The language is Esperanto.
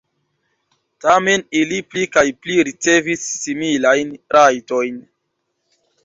Tamen ili pli kaj pli ricevis similajn rajtojn.